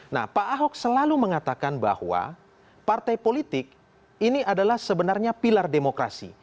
nah pak ahok selalu mengatakan bahwa partai politik ini adalah sebenarnya pilar demokrasi